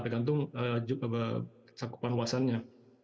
tergantung saksapan uasannya